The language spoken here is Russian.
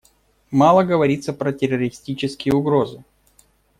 Мало говорится про террористические угрозы.